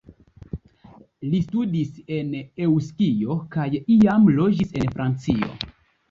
Li studis en Eŭskio kaj iam loĝis en Francio.